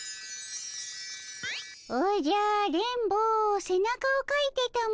おじゃ電ボせなかをかいてたも。